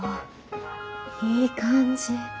いい感じ。